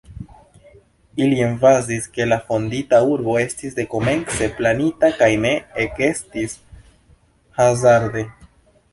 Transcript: Ili emfazis, ke la fondita urbo estis dekomence planita kaj ne ekestis hazarde.